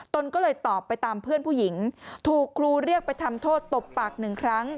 นก็เลยตอบไปตามเพื่อนผู้หญิงถูกครูเรียกไปทำโทษตบปากหนึ่งครั้ง